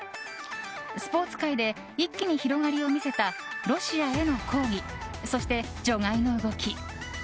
スポーツ界で一気に広がりを見せたロシアへの抗議そして、除外の動き。